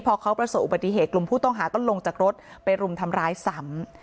พอเขาประสบอุบัติเหตุกลุ่มผู้ต้องหาต้องลงจากรถไปรุมทำร้ายซ้ำ